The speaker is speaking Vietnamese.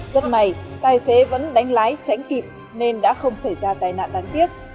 rất may tài xế vẫn đánh lái tránh kịp nên đã không xảy ra tai nạn đáng tiếc